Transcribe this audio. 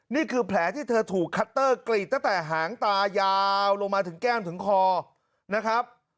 นี่คือแผลที่เธอถูกคัตเตอร์กรีดตั้งแต่หางตายาวลงมาถึงแก้มถึงคอนะครับ